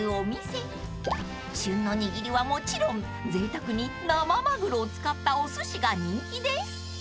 ［旬の握りはもちろんぜいたくに生マグロを使ったおすしが人気です］